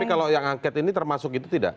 tapi kalau yang angket ini termasuk itu tidak